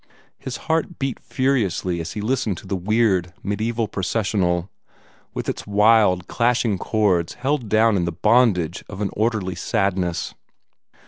His heart beat furiously as he listened to the weird, mediaeval processional, with its wild, clashing chords held down in the bondage of an orderly sadness.